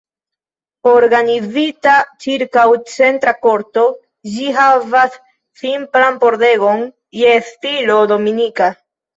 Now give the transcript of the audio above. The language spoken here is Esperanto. Organizita ĉirkaŭ centra korto, ĝi havas simplan pordegon je stilo dominika.